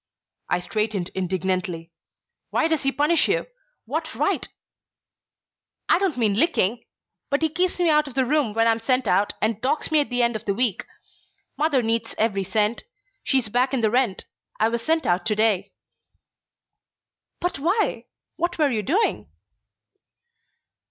I straightened indignantly. "Why does he punish you? What right " "I don't mean licking. But he keeps me out of the room when I'm sent out, and docks me at the end of the week. Mother needs every cent. She's back in the rent. I was sent out to day." "But why? What were you doing?"